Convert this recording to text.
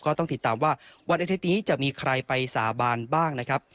ก็ต้องติดตามว่าวันอาทิตย์นี้จะมีใครไปสาบานบ้างนะครับ